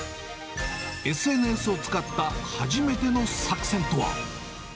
ＳＮＳを使った初めての作戦とは。